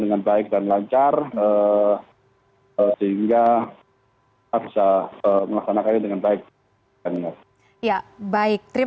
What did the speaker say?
dengan memomong saat berjam